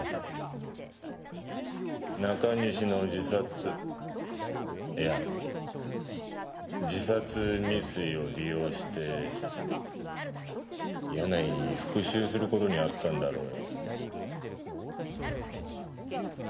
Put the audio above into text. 中西の自殺いや自殺未遂を利用して柳井に復讐する事にあったんだろうよ。